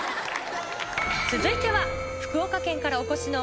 続いては。